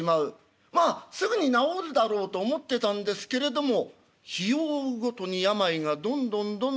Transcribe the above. まあすぐに治るだろうと思ってたんですけれども日を追うごとに病がどんどんどんどん重たくなる。